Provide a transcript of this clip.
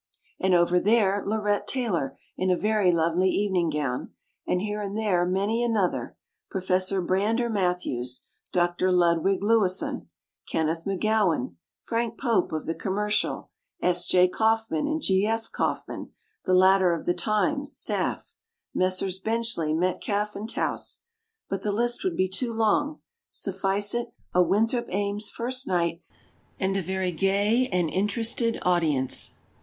And over there, Laurette Taylor in a very lovely eve ning gown, and here and there many another: Professor Brander Mat thews, Dr. Ludwig Lewisohn, Kenneth McGowan, Frank Pope of the "Com mercial", S. Jay Kaufman and G. S. Kauffman, the latter of the "Times" staff, Messrs. Benchley, Metcalfe and Towse . But the list would be too long. Suffice it, a Winthrop Ames first night, and a very gay and inter ested audience.